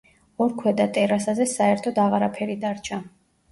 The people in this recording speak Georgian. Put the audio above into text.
ორ ქვედა ტერასაზე საერთოდ აღარაფერი დარჩა.